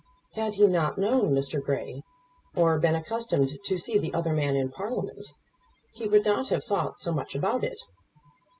Had he not known Mr. Grey, or been accustomed to see the other man in Parliament, he would not have thought so much about it.